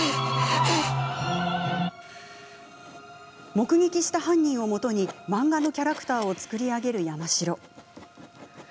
目撃した犯人をもとに漫画のキャラクターを作り上げる山城。